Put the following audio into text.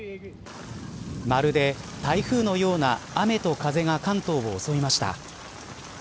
まるで、台風のような雨と風が関東を襲いました。